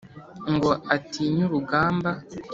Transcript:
ngo atinye urugamba